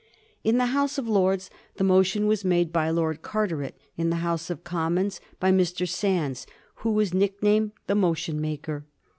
In the House of Lords the motion was made by Lord Car teret; in the House of Commons by Mr. Sandys, who was nicknamed "the motion maker."